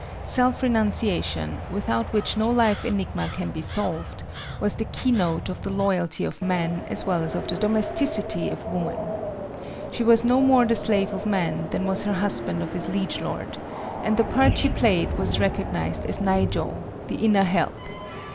Self renunciation, without which no life enigma can be solved, was the keynote of the Loyalty of man as well as of the Domesticity of woman. She was no more the slave of man than was her husband of his liege lord, and the part she played was recognized as Naijo, "the inner help."